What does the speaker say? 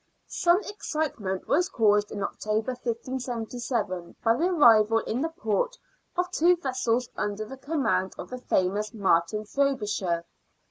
Some excitement was caused in October, 1577, by the arrival in the port of two vessels under the command of the famous Martin Frobisher.